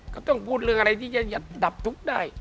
ก็ต้องพูดเรื่องอะไรที่จะดับทุกข์ได้